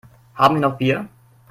Haben wir noch Bier?